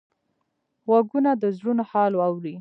غوږونه د زړونو حال اوري